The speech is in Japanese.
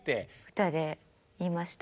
歌で言いました。